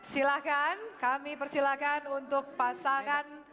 silahkan kami persilakan untuk pasangan